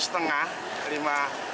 iya lima km